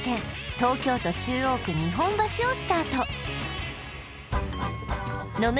東京都中央区日本橋をスタート